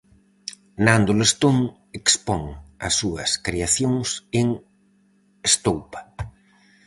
Nando Lestón expón as súas creacións en Estoupa.